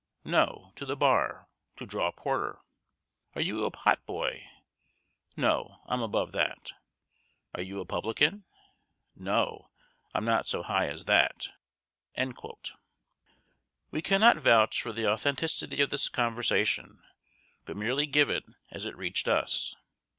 No; to the bar, to draw porter. "Are you a pot boy? No, I'm above that. "Are you a publican? No, I'm not so high as that." We cannot vouch for the authenticity of this conversation, but merely give it as it reached us.